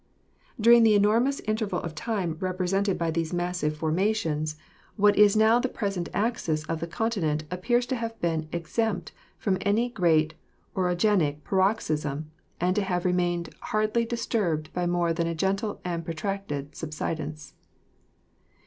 During the enormous in terval of time represented by these massive formations, PHYSIOGRAPHY 195 what is now the present axis of the continent appears to have been exempt from any great orogenic paroxysm and to have remained hardly disturbed by more than a gentle and protracted subsidence.